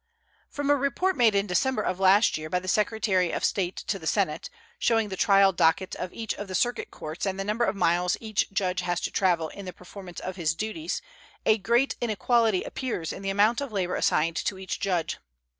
From a report made in December of last year by the Secretary of State to the Senate, showing the trial docket of each of the circuit courts and the number of miles each judge has to travel in the performance of his duties, a great inequality appears in the amount of labor assigned to each judge.